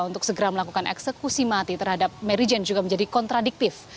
untuk segera melakukan eksekusi mati terhadap mary jane juga menjadi kontradiktif